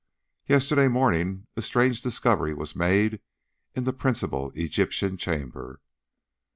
Yesterday morning a strange discovery was made in the principal Egyptian Chamber.